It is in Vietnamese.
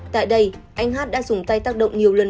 tại đây anh hát đã dùng tay tác động nhiều lần